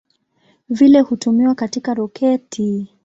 Vile hutumiwa katika roketi.